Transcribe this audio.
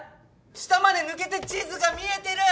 下まで抜けて地図が見えてる！